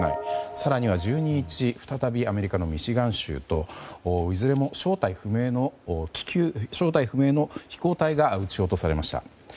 更には１２日再びアメリカのミシガン州といずれも正体不明の飛行隊が撃ち落とされました。